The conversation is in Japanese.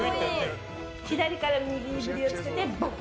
左から右にふりをつけてボン！